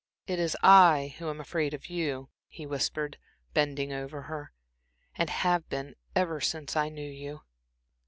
"It is I who am afraid of you," he whispered, bending over her, "and have been ever since I knew you."